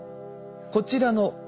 こちらの鳥。